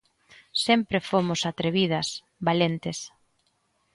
Sempre fomos atrevidas, valentes.